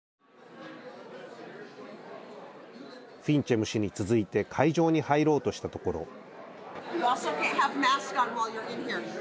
フィンチェム氏に続いて会場に入ろうとしたところ。